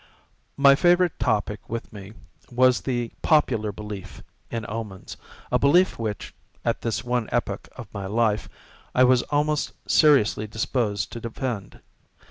A favorite topic with me was the popular belief in omens—a belief which, at this one epoch of my life, I was almost seriously disposed to defend.